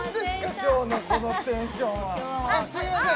今日のこのテンションはあっすみません